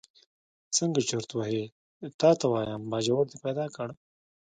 څنګه چرت وهې تا ته وایم، باجوړ دې پیدا کړ.